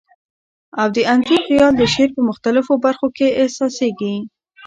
او د انځور خیال د شعر په مختلفو بر خو کي احسا سیږی.